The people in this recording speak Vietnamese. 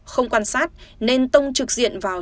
không quan sát nên tông trực diện vào